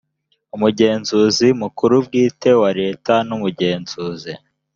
umugenzuzi mukuru bwite wa leta n umugenzuzi